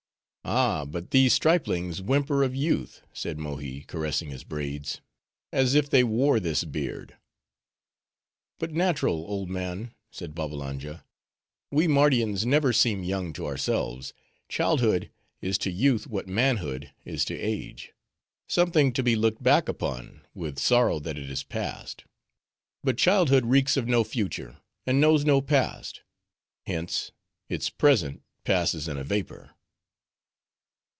"Ah! but these striplings whimper of youth," said Mohi, caressing his braids, "as if they wore this beard." "But natural, old man," said Babbalanja. "We Mardians never seem young to ourselves; childhood is to youth what manhood is to age:—something to be looked back upon, with sorrow that it is past. But childhood reeks of no future, and knows no past; hence, its present passes in a vapor."